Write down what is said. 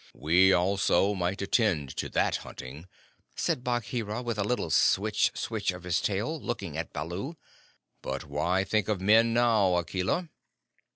"We also might attend to that hunting," said Bagheera, with a little switch switch of his tail, looking at Baloo. "But why think of men now, Akela?"